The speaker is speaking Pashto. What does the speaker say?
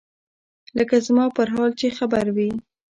لکه زما پر حال چې خبر وي.